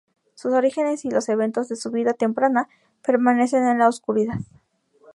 Sus orígenes y los eventos de su vida temprana permanecen en la oscuridad.